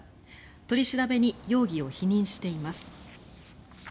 取り調べに容疑を否認しています。